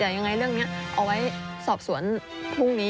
ยังไงเรื่องนี้เอาไว้สอบสวนพรุ่งนี้